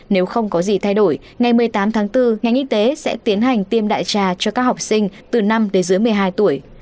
nếu không có gì thay đổi ngày một mươi tám tháng bốn ngành y tế sẽ tiến hành tiêm đại trà cho các học sinh từ năm đến dưới một mươi hai tuổi